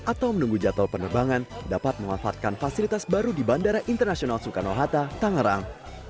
atau menunggu jadwal penerbangan dapat memanfaatkan fasilitas baru di bandara internasional soekarno hatta tangerang